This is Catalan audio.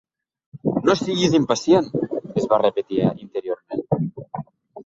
"No siguis impacient", es va repetir interiorment.